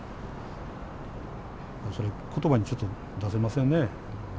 それ、ことばにちょっと出せませんね。